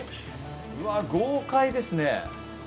うわっ豪快ですね。